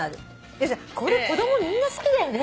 これ子供みんな好きだよね。